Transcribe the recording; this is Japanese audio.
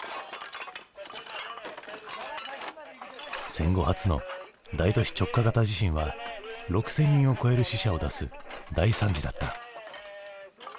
戦後初の大都市直下型地震は６，０００人を超える死者を出す大惨事だった。